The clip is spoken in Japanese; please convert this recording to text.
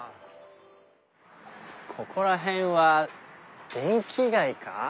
ここら辺は電気街か？